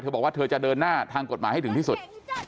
บอกว่าเธอจะเดินหน้าทางกฎหมายให้ถึงที่สุด